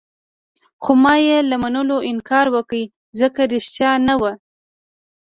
خو ما يې له منلو انکار وکړ، ځکه ريښتیا نه وو.